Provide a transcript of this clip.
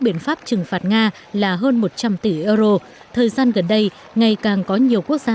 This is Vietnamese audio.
biện pháp trừng phạt nga là hơn một trăm linh tỷ euro thời gian gần đây ngày càng có nhiều quốc gia